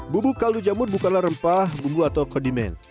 bubuk kaldu jamur bukanlah rempah bumbu atau kodimen